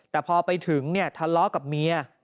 แต่พอไปถึงทะเลาะกับเมีย